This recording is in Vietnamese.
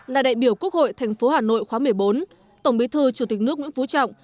là đại biểu quốc hội thành phố hà nội khóa một mươi bốn tổng bí thư chủ tịch nước nguyễn phú trọng